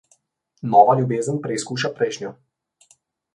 Nova ljubezen preizkuša prejšnjo.